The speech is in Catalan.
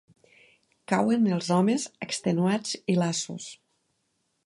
Cauen els homes extenuats i lassos.